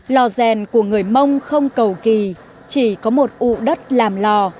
lò rèn của người mông không cầu kỳ chỉ có một ụ đất làm lò